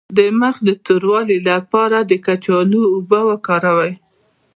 د مخ د توروالي لپاره د کچالو اوبه وکاروئ